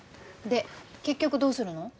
で結局どうするの？